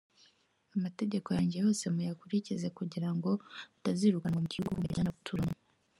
amategeko yanjye yose muyakurikize kugira ngo mutazirukanwa mu gihugu mbajyana guturamo